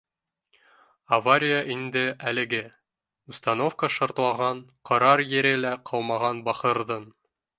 Авария инде әлеге, установка шартлаған, ҡарар ере лә ҡалмаған бахырҙың